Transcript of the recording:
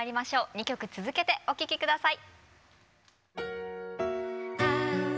２曲続けてお聴き下さい。